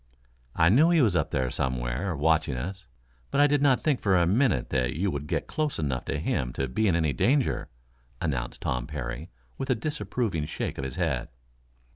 "I knew he was up there somewhere, watching us, but I did not think for a minute that you would get close enough to him to be in any danger," announced Tom Parry, with a disapproving shake of his head.